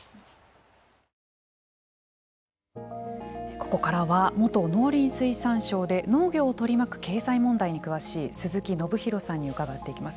ここからは元農林水産省で農業を取り巻く経済問題に詳しい鈴木宣弘さんに伺っていきます。